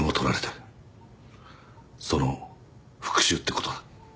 その復讐ってことだ。